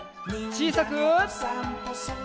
ちいさく。